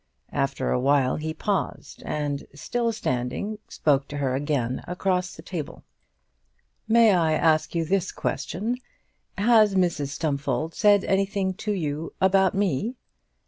After a while he paused, and, still standing, spoke to her again across the table. "May I ask you this question? Has Mrs Stumfold said anything to you about me?"